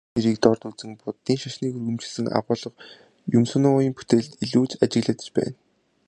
Иймэрхүү бөө нэрийг дорд үзэн Буддын шашныг өргөмжилсөн агуулга Юмсуновын бүтээлд илүүтэй ажиглагдаж байна.